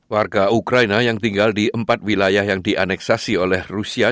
warga ukraina yang tinggal di empat wilayah yang dianeksasi oleh rusia